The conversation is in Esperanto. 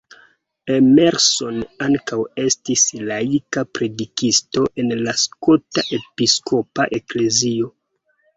Emerson ankaŭ estis laika predikisto en la Skota Episkopa Eklezio.